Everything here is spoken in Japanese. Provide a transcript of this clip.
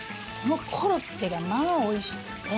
コロッケが、おいしくて。